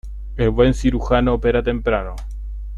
El buen cirujano opera temprano.